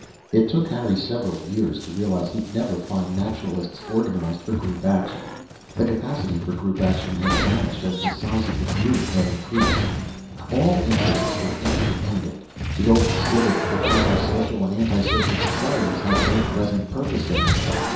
It took Harry several years to realize he'd never find Naturalists organized for group action. The capacity for group action had vanished as the size of the group increased. All interests were interdependent; the old civic, fraternal, social and anti social societies had no present purpose any more.